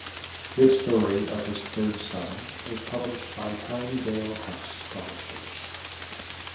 This story of his third son was published by Tyndale House Publishers.